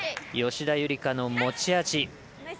吉田夕梨花の持ち味。